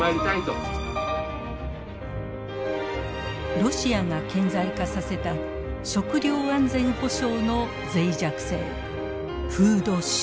ロシアが顕在化させた食料安全保障の脆弱性フードショック。